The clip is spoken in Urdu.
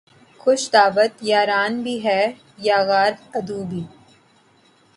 خوش دعوت یاراں بھی ہے یلغار عدو بھی